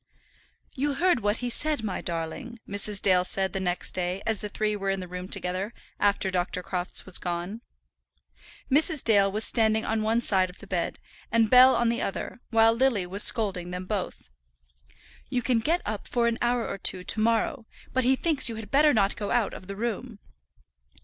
"You heard what he said, my darling," Mrs. Dale said the next day, as the three were in the room together after Dr. Crofts was gone. Mrs. Dale was standing on one side of the bed, and Bell on the other, while Lily was scolding them both. "You can get up for an hour or two to morrow, but he thinks you had better not go out of the room."